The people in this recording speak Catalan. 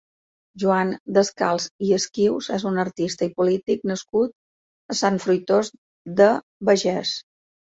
Joan Descals i Esquius és un artista i polític nascut a Sant Fruitós de Bages.